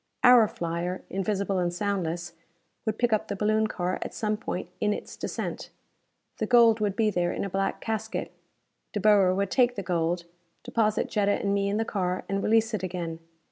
Our flyer, invisible and soundless, would pick up the baloon car at some point in its descent. The gold would be there, in a black casket. De Boer would take the gold, deposit Jetta and me in the car, and release it again.